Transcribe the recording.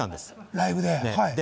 ライブで？